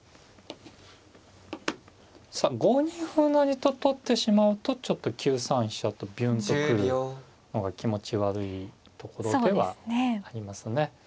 さあ５二歩成と取ってしまうとちょっと９三飛車とビュンと来るのが気持ち悪いところではありますね。